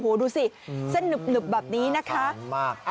โอ้โหดูสิเส้นหนึบแบบนี้นะคะ